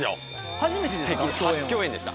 初共演でした。